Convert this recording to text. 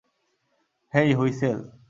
হেই, whistle!